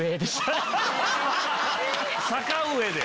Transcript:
え⁉坂上で！